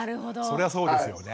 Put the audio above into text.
そりゃそうですよね。